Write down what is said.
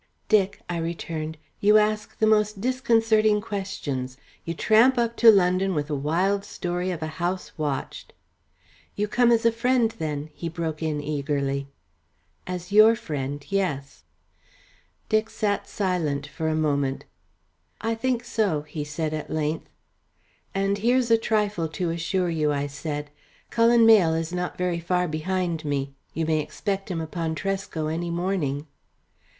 "Dick," I returned, "you ask the most disconcerting questions. You tramp up to London with a wild story of a house watched " "You come as a friend, then," he broke in eagerly. "As your friend, yes." Dick sat silent for a moment. "I think so," he said at length. "And here's a trifle to assure you," I said. "Cullen Mayle is not very far behind me. You may expect him upon Tresco any morning."